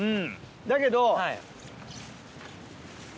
だけど。